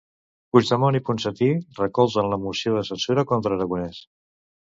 Puigdemont i Ponsatí recolzen la moció de censura contra Aragonès.